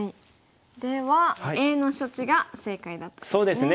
ではＡの処置が正解だったんですね。